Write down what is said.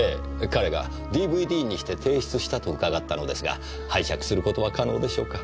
彼がＤＶＤにして提出したと伺ったのですが拝借することは可能でしょうか？